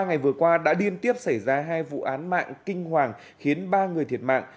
ngày vừa qua đã liên tiếp xảy ra hai vụ án mạng kinh hoàng khiến ba người thiệt mạng